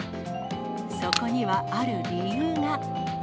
そこにはある理由が。